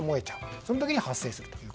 そのときに発生すると。